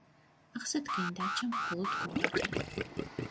აღსადგენი დარჩა მხოლოდ გუმბათი.